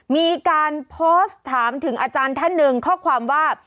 มีการโพสต์ถามถึงอาจารย์ท่านหนึ่งข้อความว่า